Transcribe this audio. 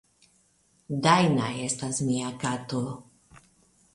Dajna estas mia kato.